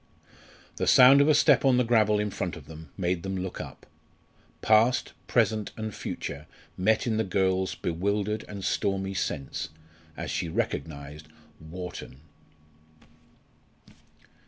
The sound of a step on the gravel in front of them made them look up. Past, present, and future met in the girl's bewildered and stormy sense as she recognised Wharton.